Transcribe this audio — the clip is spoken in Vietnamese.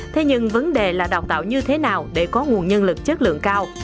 thế nhưng vấn đề là đào tạo như thế nào để có nguồn nhân lực chất lượng cao